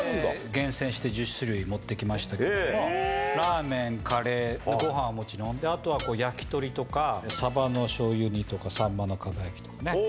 厳選して１０種類持ってきましたけども、ラーメン、カレー、ごはんはもちろん、あとは焼き鳥とか、サバのしょうゆ煮とか、サンマのかば焼きとかね。